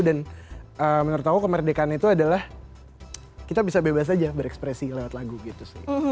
dan menurut aku kemerdekaan itu adalah kita bisa bebas aja berekspresi lewat lagu gitu sih